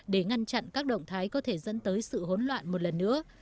để ngăn chặn các động thái có thể dẫn tới sự hỗn loạn một lần nữa